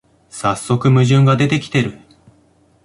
さっそく矛盾が出てきてる